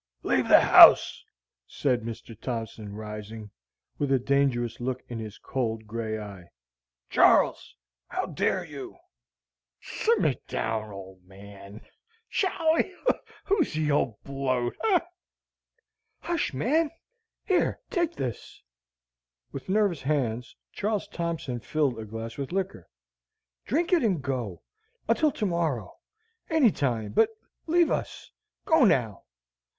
"Leave the house!" said Mr. Thompson, rising, with a dangerous look in his cold, gray eye. "Char les, how dare you?" "Simmer down, ole man! Sha'ls, who's th' ol' bloat? Eh?" "Hush, man; here, take this!" With nervous hands, Charles Thompson filled a glass with liquor. "Drink it and go until to morrow any time, but leave us! go now!"